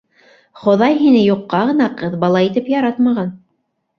Хоҙай һине юҡҡа ғына ҡыҙ бала итеп яратмаған.